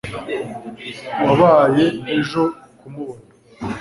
wabaye ejo kumubona